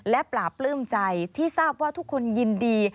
และปราบปลื้มใจที่ทราบว่าทุกคนยินดี